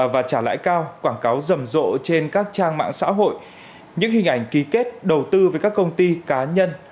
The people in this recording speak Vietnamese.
và trả lãi cao quảng cáo rầm rộ trên các trang mạng xã hội những hình ảnh ký kết đầu tư với các công ty cá nhân